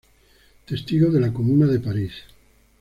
Testigo de la Comuna de París.